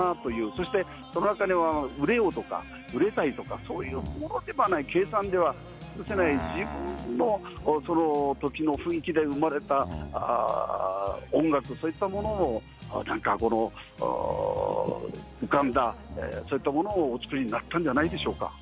そして、その中には、売れようとか、売れたいとか、そういう計算では打てない、自分の時の雰囲気で生まれた音楽、そういったものをなんかこの、浮かんだ、そういったものをお作りになったんじゃないでしょうか。